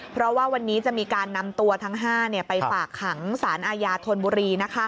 เพราะว่าวันนี้จะมีการนำตัวทั้ง๕ไปฝากขังสารอาญาธนบุรี